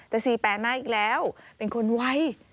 แต่๔๘มาอีกแล้วเป็นคนไว